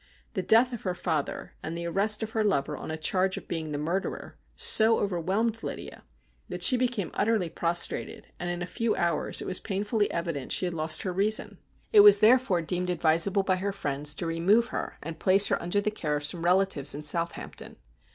The death of her father, and the arrest of her lover on a charge of being the murderer, so overwhelmed Lydia that 262 STORIES WEIRD AND WONDERFUL she became utterly prostrated, and in a few hours it was pain fully evident she had lost her reason. It was therefore deemed advisable by her friends to remove her and place her under the care of some relatives in Southampton.